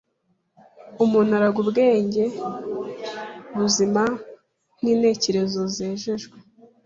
umuntu arangwa ubwenge buzima n’intekerezo zejejwe